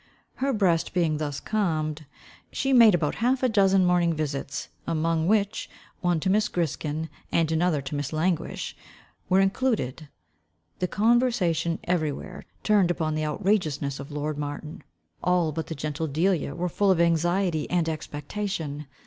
Her breast being thus calmed, she made about half a dozen morning visits, among which, one to Miss Griskin, and another to Miss Languish, were included. The conversation every where turned upon the outrageousness of lord Martin. All but the gentle Delia, were full of anxiety and expectation.